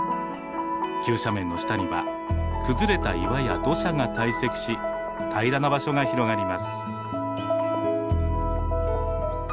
急斜面の下には崩れた岩や土砂が堆積し平らな場所が広がります。